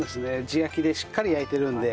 地焼きでしっかり焼いてるので。